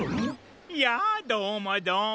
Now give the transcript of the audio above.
やあどうもどうも。